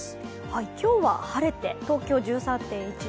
今日は晴れて東京は１３．１度。